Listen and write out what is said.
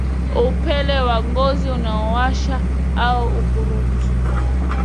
Upele wa Ngozi Unaowasha au Ukurutu